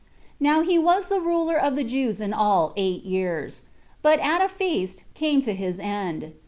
4. Now he was the ruler of the Jews in all eight years; but at a feast came to his end.